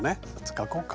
描こうか。